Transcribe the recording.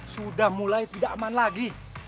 sudah mulai tidak aman lagi